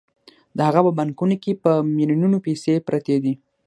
د هغه په بانکونو کې په میلیونونو پیسې پرتې دي